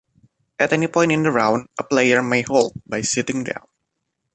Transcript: At any point in the round, a player may hold by sitting down.